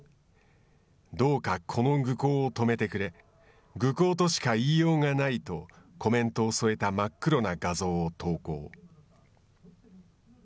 どうかこの愚行を止めてくれ愚考としか言いようがないとコメントを添えた真っ黒な画像を投稿。